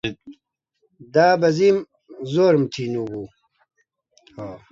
دابەزیم، زۆرم تینوو بوو